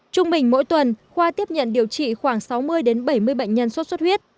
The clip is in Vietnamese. trung bình mỗi tuần khoa tiếp nhận điều trị khoảng sáu mươi bảy mươi bệnh nhân sốt xuất huyết